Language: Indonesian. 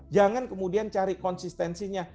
jangan kemudian cari konsistensinya